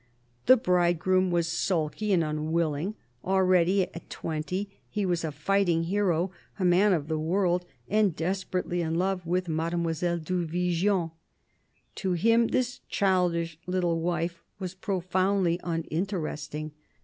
The bridegroom was sulky and unwilling : already, at twenty, he was a fighting hero, a man of the world, and desperately in love with Mademoiselle du Vigean. To him his childish little wife was profoundly uninteresting.